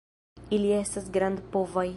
Ili estas grandpovaj.